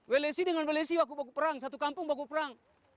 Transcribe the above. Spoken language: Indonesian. velesi dengan velesi waktu perang satu kampung waktu perang